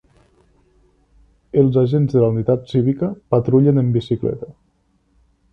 Els agents de la unitat cívica patrullen en bicicleta.